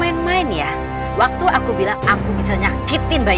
tarah ke rumah sakit secepatnya